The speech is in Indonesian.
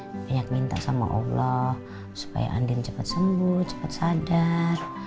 banyak doa banyak minta sama allah supaya andien cepat sembuh cepat sadar